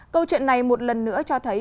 câu chuyện này một lần nữa cho thấy